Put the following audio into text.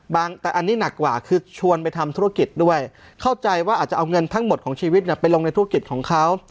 แต่อันนี้หนักกว่าคือชวนไปทำธุรกิจด้วยเข้าใจว่าอาจจะเอาเงินทั้งหมดของชีวิตไปลงในธุรกิจของเขา